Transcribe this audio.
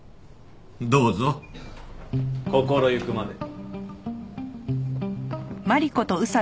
どうぞ心ゆくまで。